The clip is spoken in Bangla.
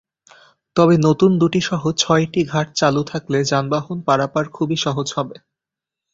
তবে নতুন দুটিসহ ছয়টি ঘাট চালু থাকলে যানবাহন পারাপার খুবই সহজ হবে।